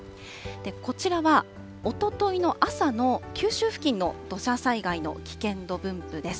こちらは、おとといの朝の九州付近の土砂災害の危険度分布です。